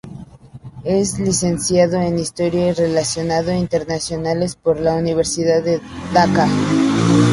Es licenciado en Historia y Relaciones Internacionales por la Universidad de Daca.